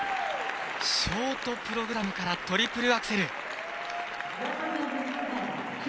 ショートプログラムからトリプルアクセル。